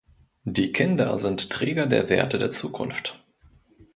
Die Kinder sind Träger der Werte der Zukunft.